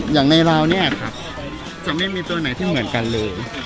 จะไม่มีตัวไหนที่เหมือนกันเลย